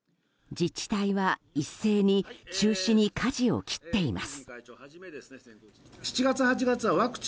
自治体は一斉に中止にかじを切っています。